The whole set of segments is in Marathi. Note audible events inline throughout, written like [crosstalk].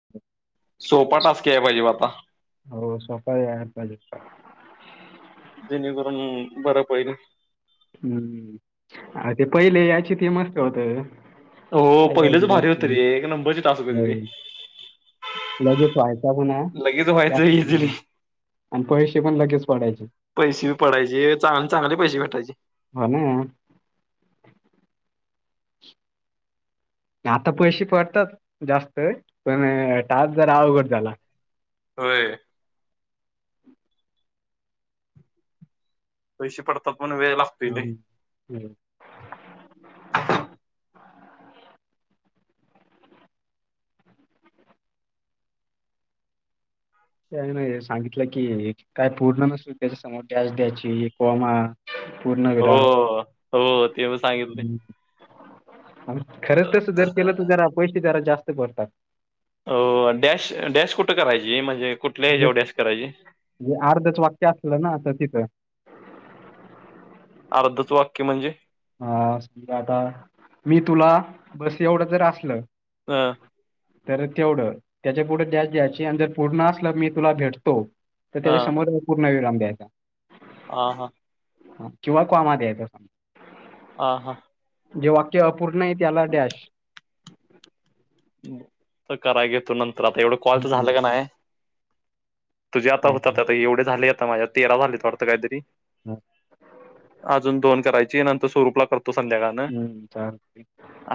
[inaudible] सोपा टास्क यायला पाहिजे बग आता. हो सोपा यायला पाहिजे. जेणेकरून बरं पडेल. हम्म अ ते पहिले यायचे ते मस्त होते. हो पहिलंच भारी होत रे एक नंबरची टास्क हो होतीत रे. लगेच व्हायचा पण हा लगेच व्हायचं जास्त इझिली करून आणि पैसे लगेच पडायचे. पैसे बी पडायचे चांगले-चांगले पैसे भेटायचे हां नाही. आता पैसे पडतात जास्त पण टास्क जरा अवघड झाला. होय. पैसे पडतात पण वेळ लाग हम्म [unintelligible] ते नाही सांगितलं की काय पूर्ण नसल त्याच्या समोर डॅस द्यायची कॉमा पूर्ण हो विराम हो ते पण सांगितले. खरंच तसं जर केलं तर जरा पैसे जरा जास्त पडतात. अ डॅश डॅश कुठं करायची म्हणजे कुठल्या जे हेच्यावर डॅश करायची? जे अर्धच वाक्य असलं ना तर तिथं. अर्धच वाक्य म्हणजे? हां आता, मी तुला बस एवढं जर असलं हां. तर तेवढं त्याच्या पुुढं डॅश द्यायची, आणि जर पूर्ण असलं मी तुला भेटतो तर हा त्याच्या समोर पूर्ण विराम द्यायचा. आ हां. किंवा कॉमा द्यायचा असा. आ हां. जे वाक्य अपूर्ण आहे त्याला डॅश तर कराय घेतो नंतर आता एवढं कॉलचं झालं का नाही तुझे आता होतात आता एवढे झाले आता माझ्या तेरा झालेत वाटतं काहितरी अजून दोन करायची नंतर स्वरूपला करत तो संध्याकाळनं चालते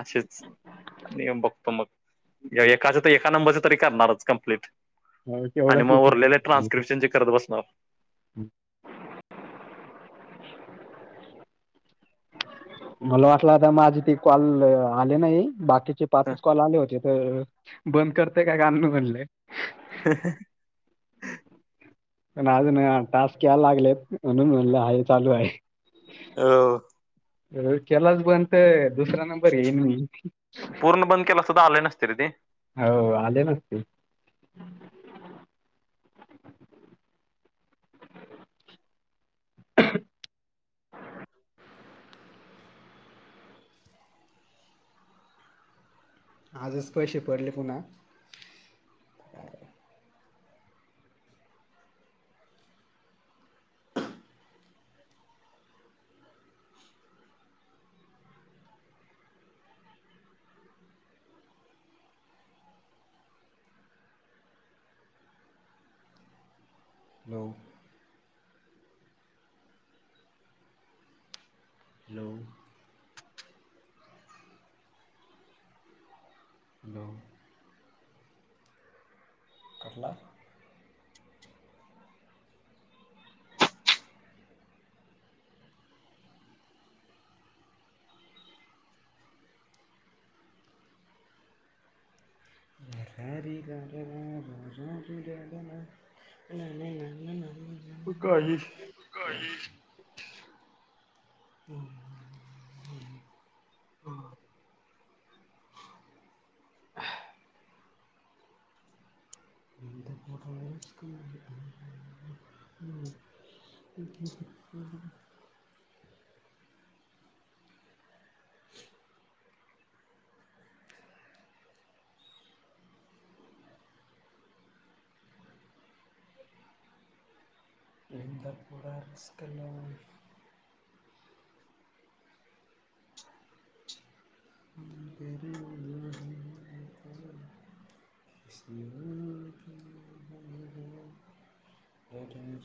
असेच नियम बघतो मग एकाच तर एका नंबरच तरी करणारच कम्प्लीट आणि तेवढंच मग येतं. उरले ट्रान्स्क्रिप्शनचे करत बसणार मला वाटलं आता माझी ते कॉल आले नाही बाकी चे पाचच कॉल आले होते तर बंद करतंय का काय मग म्हणलं हं हं हं पण अजून टास्क यायला लागलेत म्हणून म्हणलं आहे चालू आहे हो अ केलाच बंद तर दुसरा नंबर घेईन मी पूर्ण बंद केला असता तर आले नसते रे ते हो आले नसते आजच पैसे पडले पुन्हा [inaudible] [unintelligible] [unintelligible] [unintelligible] [inaudible] हॅलो [inaudible] हॅलो कसला [unintelligible] [unintelligible] गारे गारे ना ना गारे गारे ना ना ना ना ना ना ना ना ना तु कवा आलीस तु कवा आलीस [unintelligible] [unintelligible] [inaudible] लिंंगापूरास्क लाव पर [unintelligible] स्नेहा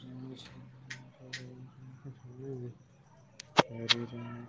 [unintelligible] अरेरे